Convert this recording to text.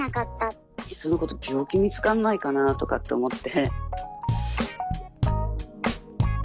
いっそのこと病気見つかんないかなとかって思って。